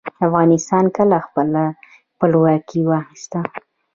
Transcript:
افغانستان کله خپله خپلواکي واخیسته؟